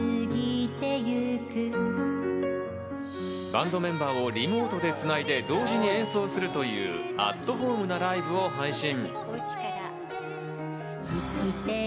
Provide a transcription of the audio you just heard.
バンドメンバーをリモートでつないで同時に演奏するというアットホームなライブを配信。